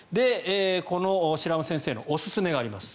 この白濱先生のおすすめがあります。